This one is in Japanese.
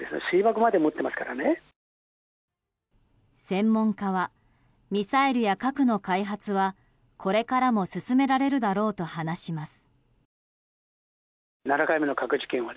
専門家はミサイルや核の開発はこれからも進められるだろうと話します。